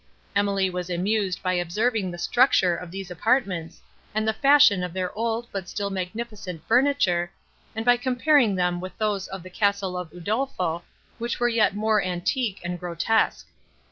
Emily was amused by observing the structure of these apartments, and the fashion of their old but still magnificent furniture, and by comparing them with those of the castle of Udolpho, which were yet more antique and grotesque.